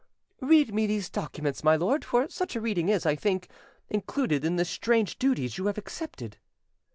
"Read me these documents, my lord; for such a reading is, I think, included in the strange duties you have accepted."